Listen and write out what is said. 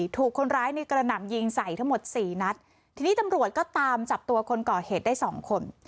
ถูกคนร้ายในกระหน่ำยิงใส่ทั้งหมดสี่นัดทีนี้ตำรวจก็ตามจับตัวคนก่อเหตุได้สองคน